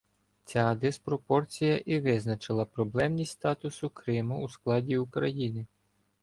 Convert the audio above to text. Ця диспропорція і визначила проблемність статусу Криму у складі України.